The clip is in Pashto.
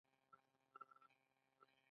دوی خپل شرکتونه لري.